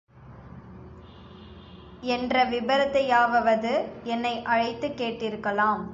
என்ற விபரத்தையாவவது என்னை அழைத்துக் கேட்டிருக்கலாம்.